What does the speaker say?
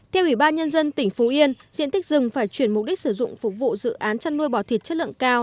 theo ủy ban nhân dân tỉnh phú yên diện tích rừng phải chuyển mục đích sử dụng phục vụ dự án chăn nuôi bò thịt chất lượng cao